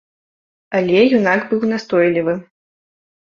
Але юнак быў настойлівы.